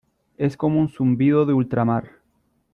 es como un zumbido de ultramar.